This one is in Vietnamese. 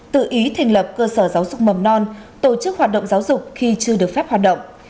tự ý thành lập cơ sở giáo dục mầm non tổ chức hoạt động giáo dục khi chưa được phép hoạt động